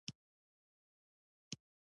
چینایي متل وایي له عالم سره خبرې کول ګټور دي.